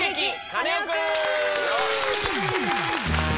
カネオくん」！